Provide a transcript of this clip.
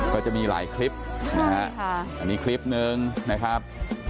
ก็จะมีหลายคลิปนะฮะอันนี้คลิปนึงนะครับ